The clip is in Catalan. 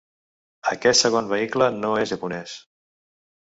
Aquest segon vehicle no és japonès.